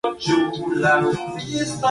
Van a amarlo ¡Se volverán locos!